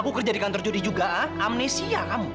aku kerja di kantor judi juga amnesia kamu